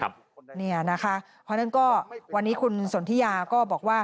เพราะฉะนั้นก็วันนี้คุณสนทิยาก็บอกว่า